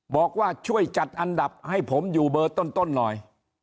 บอกว่าช่วยจัดอันดับให้ผมอยู่เบอร์ต้นหน่อย